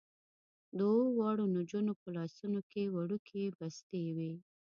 د اوو واړو نجونو په لاسونو کې وړوکې بستې وې.